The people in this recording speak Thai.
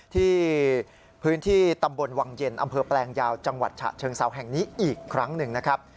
ที่พื้นที่ตำบลวังเย็นอำเภอแปลงยาวจังหวัดฉะเชิงเซาแห่งนี้อีกครั้งหนึ่งนะครับ